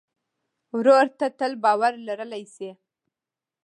ورور ته تل باور لرلی شې.